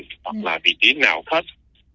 hoặc là vị trí nào khất